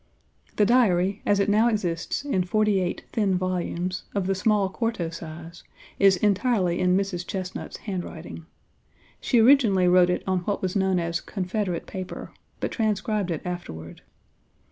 The Diary, as it now exists in forty eight thin volumes, of the small quarto size, is entirely in Mrs. Chesnut's handwriting. She originally wrote it on what was known as "Confederate paper," but transcribed it afterward.